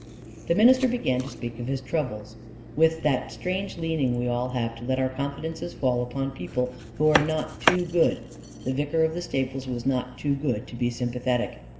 The minister began to speak of his troubles with that strange leaning we all have to let our confidences fall upon people who are not too good: the vicar of the stables was not too good to be sympathetic.